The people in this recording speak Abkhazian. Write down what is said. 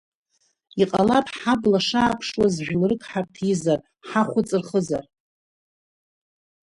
Иҟалап, ҳабла шааԥшуаз жәларак ҳарҭизар, ҳаху ыҵырхызар.